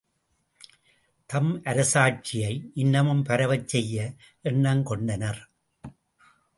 தம் அரசாட்சியை.இன்னமும் பரவச் செய்ய எண்ணங்கொண்டனர்.